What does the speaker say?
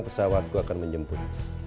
pesawatku akan menjemput